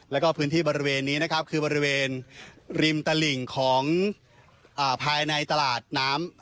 แล้วก็พื้นที่บริเวณนี้นะครับคือบริเวณริมตลิ่งของภายในตลาดน้ำ